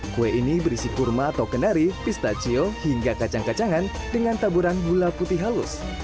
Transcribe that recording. kue ini berisi kurma atau kendari pistachio hingga kacang kacangan dengan taburan gula putih halus